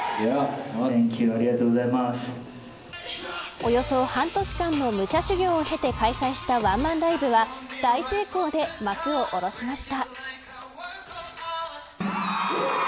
およそ半年間の武者修行を経て開催したワンマンライブは大成功で幕を下ろしました。